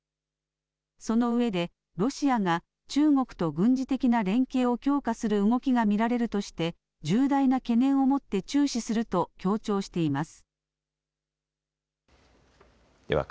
そのうえでロシアが中国と軍事的な連携を強化する動きが見られるとして重大な懸念をもって注視すると強調しています。